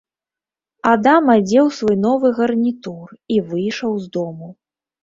Адам адзеў свой новы гарнітур і выйшаў з дому.